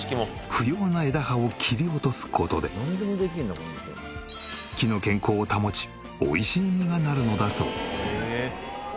不要な枝葉を切り落とす事で木の健康を保ち美味しい実がなるのだそう。